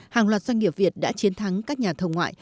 hàng loạt doanh nghiệp việt đã chiến thắng các nhà thầu ngoại